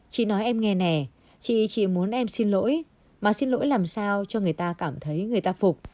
chị nói em nghe nẻ chị muốn em xin lỗi mà xin lỗi làm sao cho người ta cảm thấy người ta phục